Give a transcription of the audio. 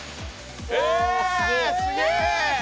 えすげえ！